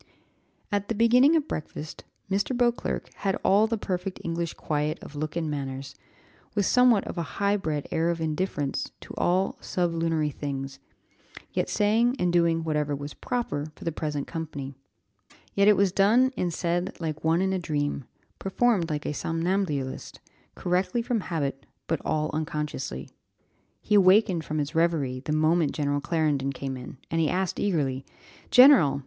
At the beginning of breakfast, Mr. Beauclerc had all the perfect English quiet of look and manners, with somewhat of a high bred air of indifference to all sublunary things, yet saying and doing whatever was proper for the present company; yet it was done and said like one in a dream, performed like a somnambulist, correctly from habit, but all unconsciously. He awakened from his reverie the moment General Clarendon came in, and he asked eagerly, "General!